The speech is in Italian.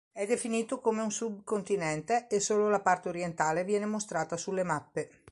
È definito come un subcontinente e solo la parte orientale viene mostrata sulle mappe.